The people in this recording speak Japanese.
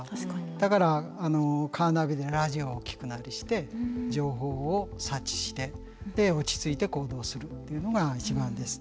だからカーナビでラジオを聞くなりして情報を察知してで落ち着いて行動するというのが一番です。